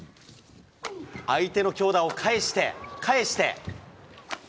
相手の強打を返して、返して。